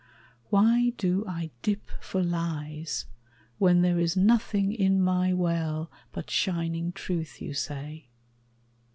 Why do I dip For lies, when there is nothing in my well But shining truth, you say?